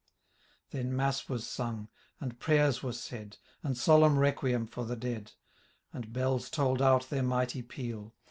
Then mass was sung, and prayers were aaid« And solemn requiem for the dead ; And bells tolPd out their mighty peal.